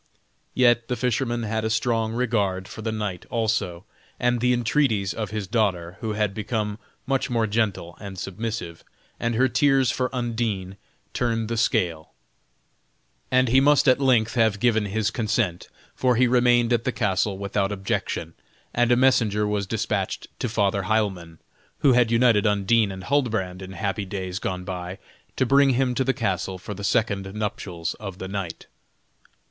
Yet the fisherman had a strong regard for the knight also; and the entreaties of his daughter, who had become much more gentle and submissive, and her tears for Undine, turned the scale, and he must at length have given his consent, for he remained at the castle without objection, and a messenger was despatched to Father Heilmann, who had united Undine and Huldbrand in happy days gone by, to bring him to the castle for the second nuptials of the knight.